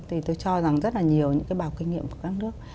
thì tôi cho rằng rất là nhiều những cái bảo kinh nghiệm của các nước